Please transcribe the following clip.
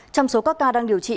trong số các ca đang điều trị